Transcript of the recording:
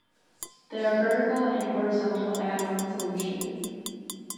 There are vertical and horizontal add-on solutions.